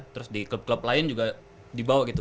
terus di klub klub lain juga di bawah gitu